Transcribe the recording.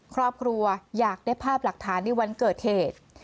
ครอบครัวอยากได้ภาพหลักฐานในวันเกิดเหตุ